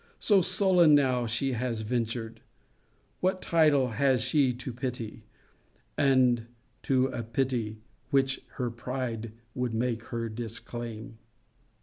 So sullen, now she has ventured! What title has she to pity; and to a pity which her pride would make her disclaim?